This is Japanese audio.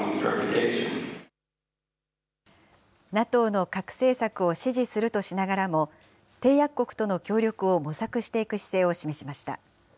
ＮＡＴＯの核政策を支持するとしながらも、締約国との協力を模索していく姿勢を示しました。